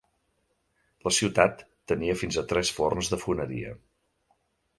La ciutat tenia fins a tres forns de foneria.